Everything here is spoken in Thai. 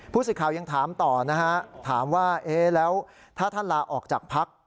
ผู้สิทธิ์ข่าวยังถามต่อนะฮะถามว่าแล้วถ้าท่านลาออกจากพลักษณ์